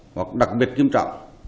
hoặc đặc biệt nghiêm trọng